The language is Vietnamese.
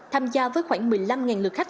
tham gia với khoảng một mươi năm lượt khách